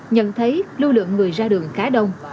nhận thấy lưu lượng người ra đường khá đông